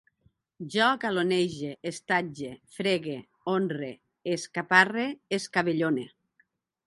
Jo galonege, estatge, fregue, honre, escaparre, escabellone